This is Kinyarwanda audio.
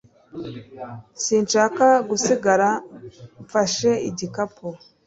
sinshaka gusigara mfashe igikapu